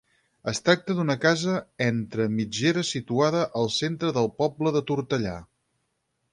Es tracta d'una casa entre mitgera situada al centre del poble de Tortellà.